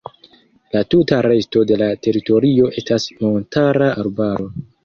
La tuta resto de la teritorio estas montara arbaro.